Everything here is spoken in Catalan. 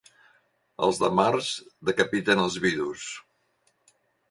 Els de març decapiten els vidus.